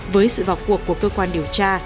với sự vào cuộc của cơ quan điều tra